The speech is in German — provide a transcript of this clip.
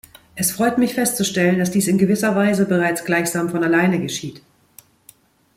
Es freut mich, festzustellen, dass dies in gewisser Weise bereits gleichsam von alleine geschieht.